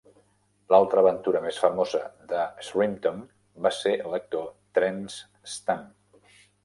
L'altra aventura més famosa de Shrimpton va ser amb l'actor Terence Stamp.